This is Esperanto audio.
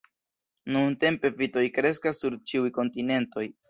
Nuntempe vitoj kreskas sur ĉiuj kontinentoj.